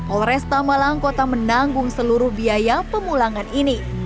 polresta malang kota menanggung seluruh biaya pemulangan ini